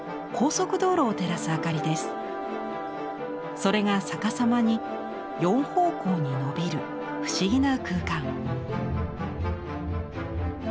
それが逆さまに４方向に伸びる不思議な空間。